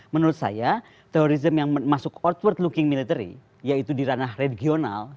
menurut saya terorisme yang masuk outward looking military yaitu di ranah regional